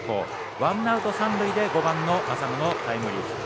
ワンアウト、三塁で５番の浅野をタイムリーヒット。